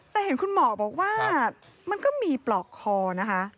แต่เห็นคุณหมอบอกว่ามันก็มีปลอกคอนะคะ